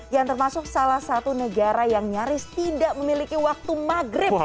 yang termasuk salah satu negara yang nyaris tidak memiliki waktu maghrib